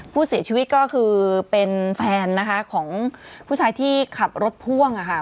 ผู้เสียชีวิตก็คือเป็นแฟนนะคะของผู้ชายที่ขับรถพ่วงค่ะ